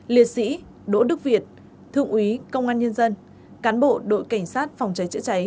liệt sĩ đỗ đức việt thượng úy công an nhân dân cán bộ đội cảnh sát phòng cháy chữa cháy